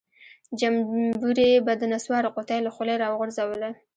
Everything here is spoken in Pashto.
جمبوري به د نسوارو قطۍ له خولۍ راوغورځوله.